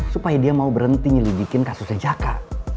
supaya dia mau berhenti nyelibikin kasusnya jaka